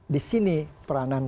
di sini peranan